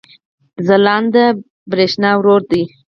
ځلاند د برېښنا ورور دی